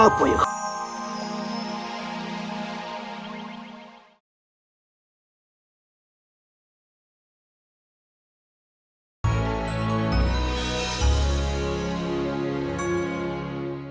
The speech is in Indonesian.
apa yang kau katakan